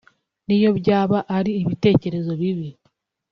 niyo byaba ari ibitekerezo bibi